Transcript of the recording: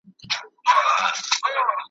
د غوایانو په ښکرونو یې وهلي `